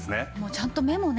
ちゃんと目もね